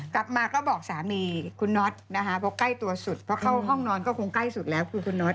กลับมาก็บอกสามีคุณน็อตนะคะเพราะใกล้ตัวสุดเพราะเข้าห้องนอนก็คงใกล้สุดแล้วคือคุณน็อต